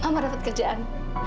mama dapat pekerjaan